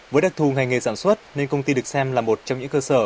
với đặc thù ngành nghề sản xuất nên công ty được xem là một trong những cơ sở